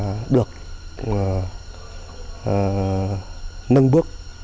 và được nâng bước